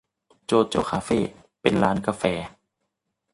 โจโจ้คาเฟ่ เป็นร้านกาแฟ